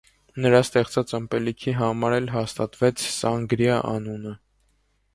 Նրա ստեղծած ըմպելիքի համար էլ հաստատվեց սանգրիա անունը։